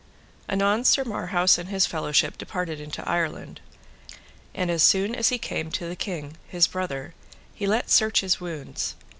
Anon Sir Marhaus and his fellowship departed into Ireland. And as soon as he came to the king, his brother, he let search his wounds.